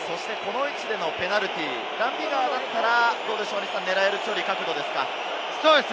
この位置でのペナルティー、ダン・ビガーだったら狙える距離、角度ですか？